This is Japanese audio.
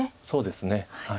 そうですね。